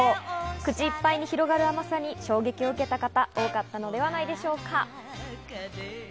口いっぱいに広がる甘さに衝撃を受けた方、多かったのではないでしょうか。